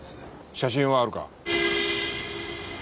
写真はあるか？